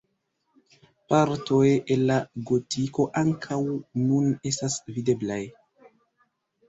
Partoj el la gotiko ankaŭ nun estas videblaj.